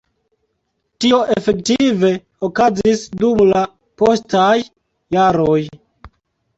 Tio efektive okazis dum la postaj jaroj.